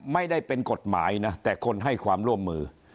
ไม่ได้เป็นกฎหมายนะแต่คนให้ความร่วมมือ